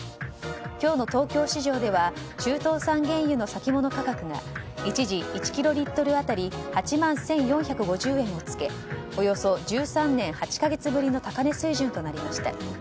今日の東京市場では中東産原油の先物価格が一時、１キロリットル当たり８万１４５０円をつけおよそ１３年８か月ぶりの高値水準となりました。